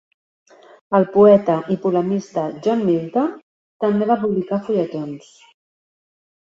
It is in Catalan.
El poeta i polemista John Milton també va publicar fulletons.